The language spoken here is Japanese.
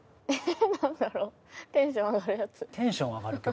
テンション上がる曲？